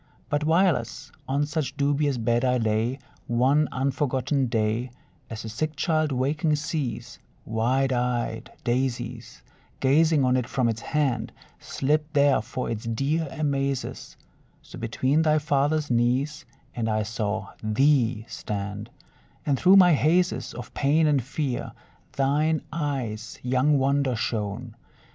But, whileas on such dubious bed I lay, One unforgotten day, As a sick child waking sees Wide eyed daisies Gazing on it from its hand, Slipped there for its dear amazes; So between thy father's knees I saw thee stand, And through my hazes Of pain and fear thine eyes' young wonder shone.